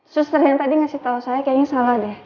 suster yang tadi ngasih tahu saya kayaknya salah deh